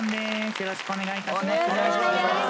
よろしくお願いします。